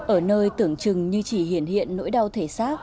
ở nơi tưởng chừng như chỉ hiển hiện hiện nỗi đau thể xác